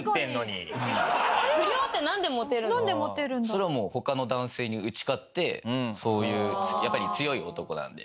それはもう他の男性に打ち勝ってそういうやっぱり強い男なので。